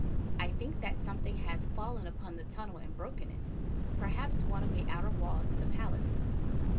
I think that something has fallen upon the tunnel and broken it, perhaps one of the outer walls of the palace.